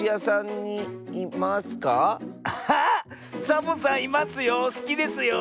サボさんいますよ。